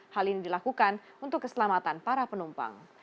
hal ini dilakukan untuk keselamatan para penumpang